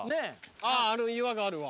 ああの岩があるわ。